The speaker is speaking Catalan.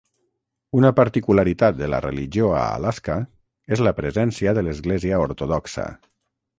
Una particularitat de la religió a Alaska és la presència de l'Església Ortodoxa.